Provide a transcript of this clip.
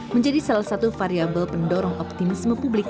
menjadi salah satu variable pendorong optimisme publik